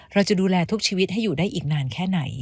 เราจะดูแลทุกชีวิตให้อยู่ได้อีกนานแค่ไหน